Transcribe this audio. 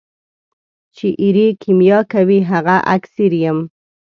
چي ایرې کېمیا کوي هغه اکسیر یم.